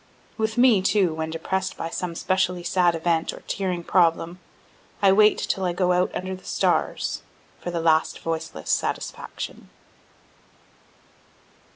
With me, too, when depress'd by some specially sad event, or tearing problem, I wait till I go out under the stars for the last voiceless satisfaction.